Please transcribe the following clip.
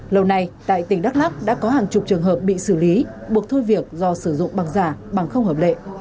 lâu nay tại tỉnh đắk lắc đã có hàng chục trường hợp bị xử lý buộc thôi việc do sử dụng bằng giả bằng không hợp lệ